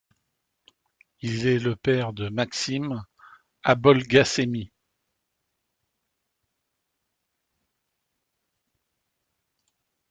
Il est le père de Maxime Abolgassemi.